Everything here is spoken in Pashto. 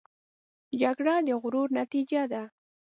جګړه د غرور نتیجه ده